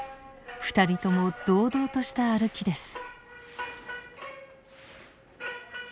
２人とも堂々とした歩きです。